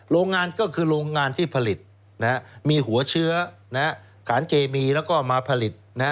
โรงงานก็คือโรงงานที่ผลิตมีหัวเชื้อสารเคมีแล้วก็มาผลิต